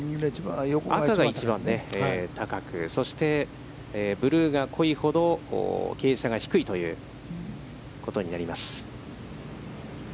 赤が一番高く、そして、ブルーが濃いほど傾斜が低いということになります。